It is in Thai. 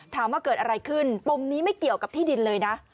ถามว่าเกิดอะไรขึ้นปมนี้ไม่เกี่ยวกับที่ดินเลยนะ